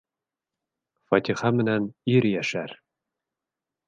Фатиха менән ир йәшәр.